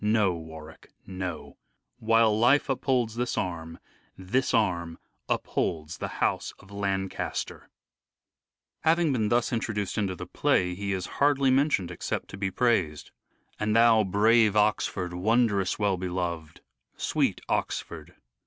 No, Warwick, no, while life upholds this arm, This arm upholds the house of Lancaster." 15 226 "SHAKESPEARE" IDENTIFIED Having been thus introduced into the play he is hardly mentioned except to be praised :" And thou, brave Oxford, wondrous well beloved." "Sweet Oxford."